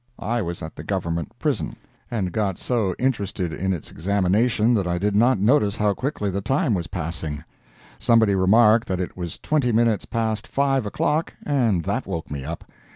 I was at the Government Prison, and got so interested in its examination that I did not notice how quickly the time was passing. Somebody remarked that it was twenty minutes past five o'clock, and that woke me up.